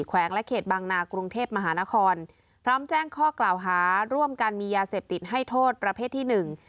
แวงและเขตบางนากรุงเทพมหานครพร้อมแจ้งข้อกล่าวหาร่วมกันมียาเสพติดให้โทษประเภทที่หนึ่ง